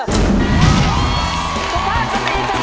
สุภาษณีย์จับเตรียมต่อไปค่ะ